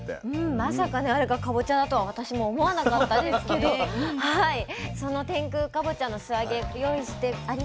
まさかねあれがかぼちゃだとは私も思わなかったんですけどその天空かぼちゃの素揚げ用意してあります。